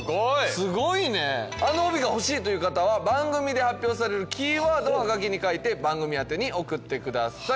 すごいねあの帯が欲しいという方は番組で発表されるキーワードをハガキに書いて番組宛てに送ってください